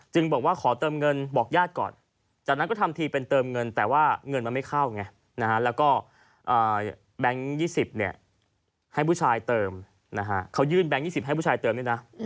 บอกว่าขอเติมเงินบอกญาติก่อนจากนั้นก็ทำทีเป็นเติมเงินแต่ว่าเงินมันไม่เข้าไงแล้วก็แบงค์๒๐เนี่ยให้ผู้ชายเติมนะฮะเขายื่นแบงค์๒๐ให้ผู้ชายเติมด้วยนะ